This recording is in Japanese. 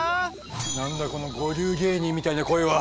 何だこの五流芸人みたいな声は？